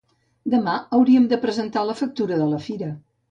Demà hauríem de presentar la factura de la fira